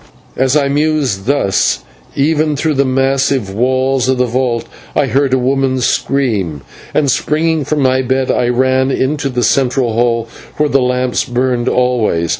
As I mused thus, even through the massive walls of the vault I heard a woman scream, and, springing from my bed, I ran into the central hall, where the lamps burned always.